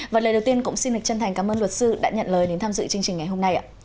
và lời đầu tiên cũng xin lịch chân thành cảm ơn luật sư đã nhận lời đến tham dự chương trình ngày hôm nay